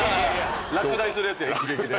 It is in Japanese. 落第するやつや一撃で。